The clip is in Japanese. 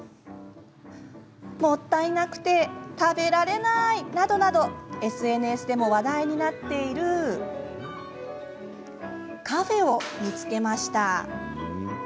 「もったいなくて食べられない」などなどＳＮＳでも話題になっているカフェを見つけました。